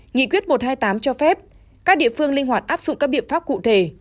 nghị quyết một trăm hai mươi tám cho phép các địa phương linh hoạt áp dụng các biện pháp cụ thể